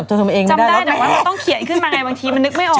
บางทีมันนึกไม่ออกไง